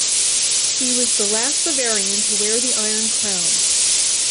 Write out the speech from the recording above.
He was the last Bavarian to wear the Iron Crown.